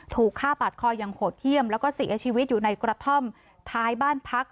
ถูกฆ่าปาดคออย่างโหดเยี่ยมแล้วก็เสียชีวิตอยู่ในกระท่อมท้ายบ้านพัก